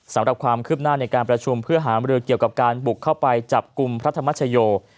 สำหรับความคืบหน้าในการประชุมเพื่อหามรือเกี่ยวกับการบุกเข้าไปจับกลุ่มพระธรรมชโย